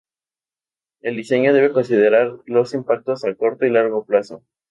El diseño debe considerar los impactos a corto y largo plazo.